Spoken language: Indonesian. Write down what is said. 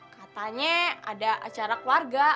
katanya ada acara keluarga